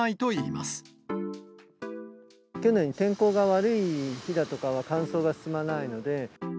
きょうのように天候が悪い日だとかは乾燥が進まないので。